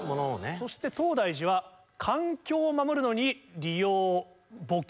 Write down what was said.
そして東大寺は「環境を守るのに利用募金」。